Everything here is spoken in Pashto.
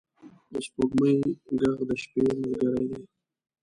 د سپوږمۍ ږغ د شپې ملګری دی.